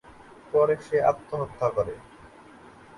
পরে সে আত্মহত্যা করে।